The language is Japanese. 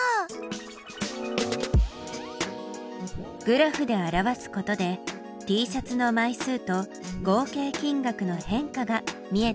グラフで表すことでＴシャツの枚数と合計金額の変化が見えてきたね。